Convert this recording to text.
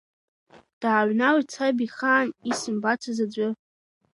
Дааҩналеит саб ихаан исымбацыз аӡәы.